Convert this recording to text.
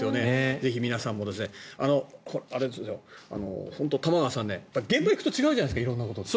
ぜひ皆さんも本当に、玉川さんね現場に行くと違うじゃないですか色んなこと。